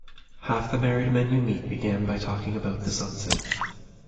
Half the married men you meet began by talking about the sunset.